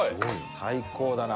最高だな。